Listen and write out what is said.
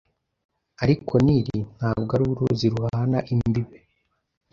ariko Nili ntabwo ari uruzi ruhana imbibe